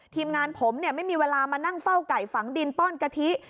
ทีมงานผมไม่มีเวลามานั่งเฝ้าไก่ฝังดินป้อนกะทิ